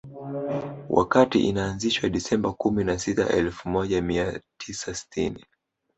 Wakati inaanzishwa Disemba kumi na sita elfu moja mia tisa sitini